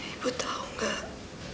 ibu tahu gak